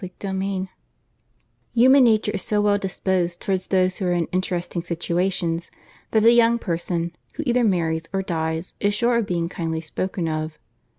CHAPTER IV Human nature is so well disposed towards those who are in interesting situations, that a young person, who either marries or dies, is sure of being kindly spoken of.